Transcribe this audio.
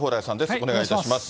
お願いいたします。